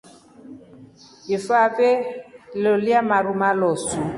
Ifuve lelya maru malosu.